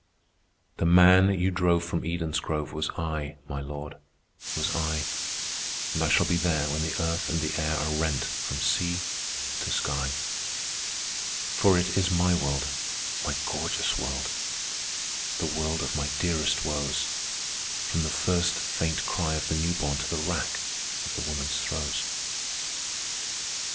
"The man you drove from Eden's grove Was I, my Lord, was I, And I shall be there when the earth and the air Are rent from sea to sky; For it is my world, my gorgeous world, The world of my dearest woes, From the first faint cry of the newborn To the rack of the woman's throes.